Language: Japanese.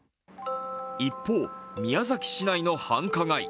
一方、宮崎市内の繁華街。